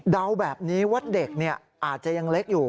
เดาแบบนี้ว่าเด็กอาจจะยังเล็กอยู่